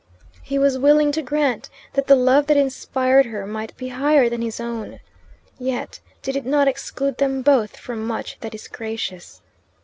He was willing to grant that the love that inspired her might be higher than his own. Yet did it not exclude them both from much that is gracious?